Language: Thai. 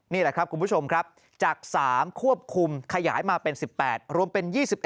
นี่แหละครับคุณผู้ชมครับจาก๓ควบคุมขยายมาเป็น๑๘รวมเป็น๒๑